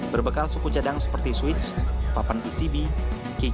berbekal suku cadang seperti switch papan pcb dan keyboard keyboard